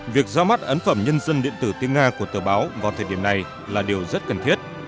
việc ra mắt ấn phẩm nhân dân điện tử tiếng nga của tờ báo vào thời điểm này là điều rất cần thiết